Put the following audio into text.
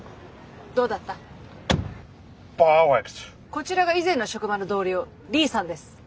こちらが以前の職場の同僚リーさんです。